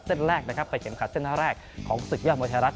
เส้นแรกนะครับไปเข็มขัดเส้นแรกของศึกยอดมวยไทยรัฐ